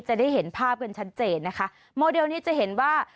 จะได้เห็นภาพกันชัดเจนนะคะโมเดลนี้จะเห็นว่า